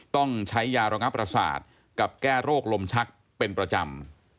ต้องใช้ยาระงับประสาทกับแก้โรคลมชักเป็นประจำ